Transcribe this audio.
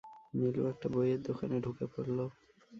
নীলু একটা বইয়ের দোকানে ঢুকে পড়ল।